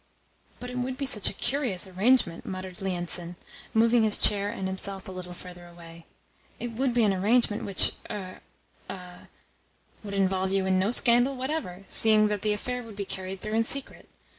"But it would be such a curious arrangement," muttered Lienitsin, moving his chair and himself a little further away. "It would be an arrangement which, er er " "Would involve you in no scandal whatever, seeing that the affair would be carried through in secret.